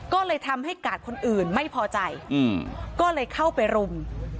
ก็เลยทำให้กาดคนอื่นไม่พอใจก็เลยเข้าไปรุม